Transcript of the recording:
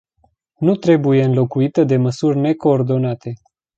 Nu trebuie înlocuită de măsuri necoordonate.